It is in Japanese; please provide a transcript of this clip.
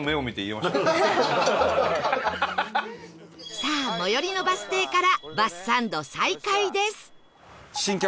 さあ最寄りのバス停からバスサンド再開です